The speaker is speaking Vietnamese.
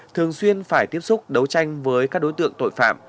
thường xuyên phải tiếp xúc đấu tranh với các đối tượng tội phạm